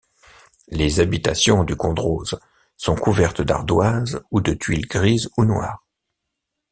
Les habitations du Condroz sont couvertes d'ardoises ou de tuiles grises ou noires.